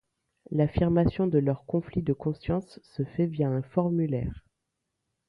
L’affirmation de leur conflit de conscience se fait via un formulaire.